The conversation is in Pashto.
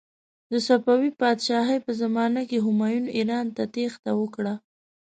د صفوي پادشاهي په زمانې کې همایون ایران ته تیښته وکړه.